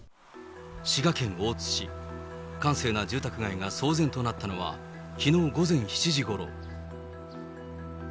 滋賀県大津市、閑静な住宅街が騒然となったのは、きのう午前７時ごろ。